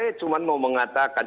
tidak ada orang yang berpengaruhi